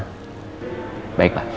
hal sekecil apapun laporkan ke saya